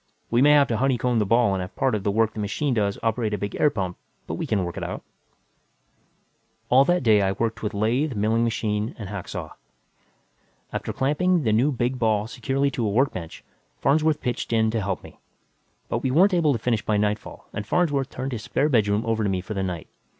We may have to honeycomb the ball and have part of the work the machine does operate a big hot air pump; but we can work it out." All that day, I worked with lathe, milling machine and hacksaw. After clamping the new big ball securely to a workbench, Farnsworth pitched in to help me. But we weren't able to finish by nightfall and Farnsworth turned his spare bedroom over to me for the night.